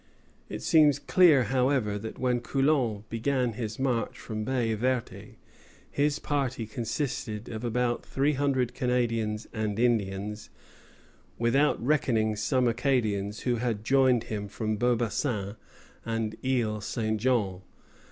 It seems clear, however, that when Coulon began his march from Baye Verte, his party consisted of about three hundred Canadians and Indians, without reckoning some Acadians who had joined him from Beaubassin and Isle St. Jean.